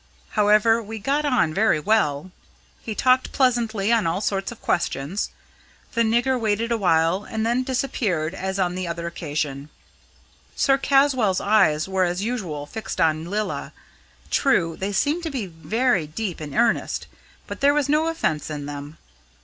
However, we got on very well. He talked pleasantly on all sorts of questions. The nigger waited a while and then disappeared as on the other occasion. Mr. Caswall's eyes were as usual fixed on Lilla. True, they seemed to be very deep and earnest, but there was no offence in them.